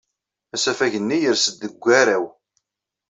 Asafag-nni yers-d deg ugaraw.